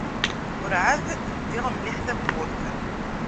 Ur-ɛad ldiɣ mliḥ tawwurt.